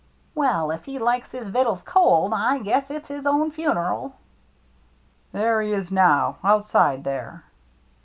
" Well, if he likes his vittfes cold, I guess it's his own funeral." " There he is now, outside there."